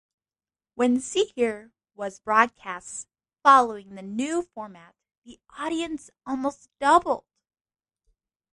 When "See Hear" was broadcast following the new format the audience almost doubled.